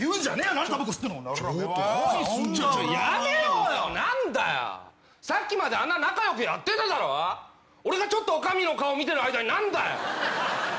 なんだよさっきまであんな仲良くやってただろ俺がちょっとおかみの顔見てる間になんだよ